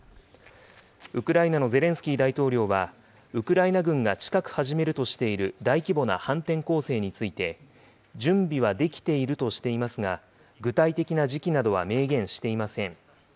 ウクライナのゼレンスキー大統領は、ウクライナ軍が近く始めるとしている大規模な反転攻勢について、準備はできているとしていますが、具体的な時期などは明言していません。